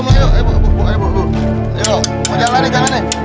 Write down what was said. mau jalan ya